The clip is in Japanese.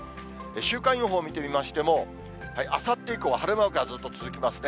週間予報見てみましても、あさって以降は晴れマークがずっと続きますね。